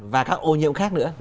và các ô nhiễm khác nữa